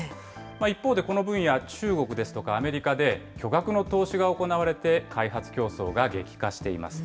一方で、この分野、中国ですとかアメリカで、巨額の投資が行われて、開発競争が激化しています。